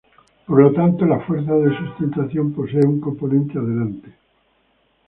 Por lo tanto la fuerza de sustentación posee un componente adelante.